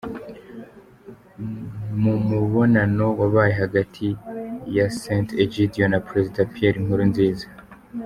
Mu mubonano wabaye hagati ya Sant’Egidio na Perezida Pierre Nkurunziza.